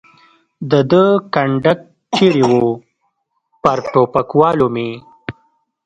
د ده کنډک چېرې و؟ پر ټوپکوالو مې.